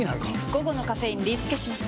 午後のカフェインリスケします！